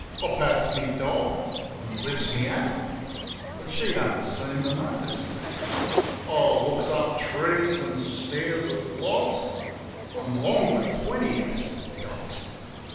I pats my dog, an' Hfts my hat; But she don't seem to notice that. I looks up trees an' stares at logs. An' long for twenty hats an' dogs.